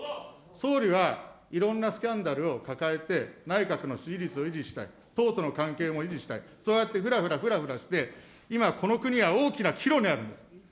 総理は、いろんなスキャンダルを抱えて、内閣の支持率を維持したい、党との関係も維持したい、そうやってふらふらして、今、この国は大きな岐路にあるんです。